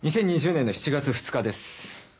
２０２０年の７月２日です。